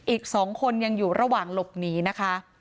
อีก๒คนยังอยู่ระหว่างหลบหนีนะคะ